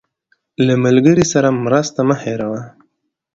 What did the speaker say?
له ملګري سره مرسته مه هېروه.